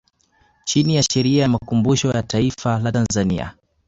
Chini ya sheria ya makumbusho ya Taifa la Tanzania